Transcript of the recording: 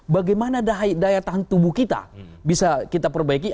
bagaimana daya tahan tubuh kita bisa kita perbaiki